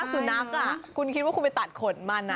สุนัขคุณคิดว่าคุณไปตัดขนมัน